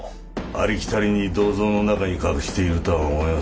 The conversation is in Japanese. ありきたりに土蔵の中に隠しているとは思えませんが。